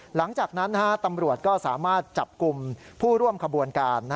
หลังจากนั้นตำรวจก็สามารถจับกลุ่มผู้ร่วมขบวนการ